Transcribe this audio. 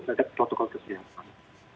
mereka juga bisa menggunakan masker